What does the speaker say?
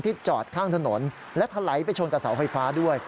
ที่จอดข้างถนนและทะไหลไปชนกับเสาไฮฟ้าด้วย